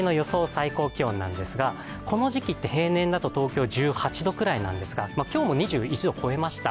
最高気温ですが、この時期って平年だと東京だと１８度ぐらいなんですが今日も２１度を超えました。